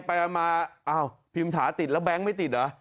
ไปมาอ้าวพิมฐาติดแล้วก็แบงค์ไม่ติดหรอ